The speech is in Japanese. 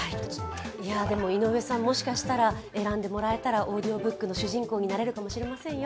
でも、井上さん、もしかしたら選んでもらえたらオーディオブックの主人公になれるかもしれませんよ。